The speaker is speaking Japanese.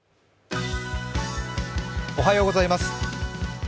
おはようございます。